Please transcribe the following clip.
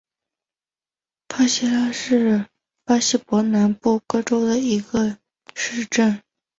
帕西拉是巴西伯南布哥州的一个市镇。